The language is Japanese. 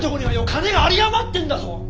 金が有り余ってんだぞ！